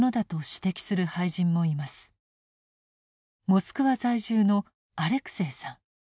モスクワ在住のアレクセイさん。